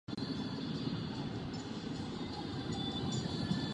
Snímek "Avengers" dosáhl značného komerčního úspěchu.